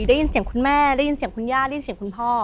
ได้ยินเสียงคุณแม่ได้ยินเสียงคุณย่าได้ยินเสียงคุณพ่อ